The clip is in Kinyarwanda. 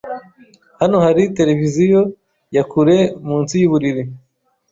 Hano hari televiziyo ya kure munsi yuburiri.